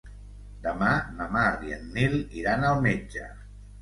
Demà na Mar i en Nil iran al metge.